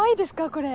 これ。